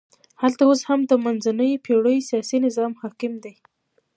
هلته اوس هم د منځنیو پېړیو سیاسي نظام حاکم دی.